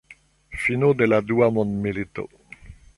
Fino de la Dua mondmilito.